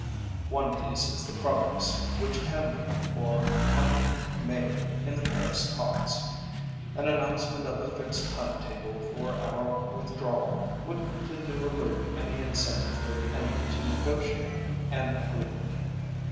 One of these is the progress which can be, or might be, made in the Paris talks. An announcement of a fixed timetable for our withdrawal would completely remove any incentive for the enemy to negotiate an agreement.